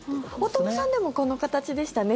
大友さんでもこの形でしたね。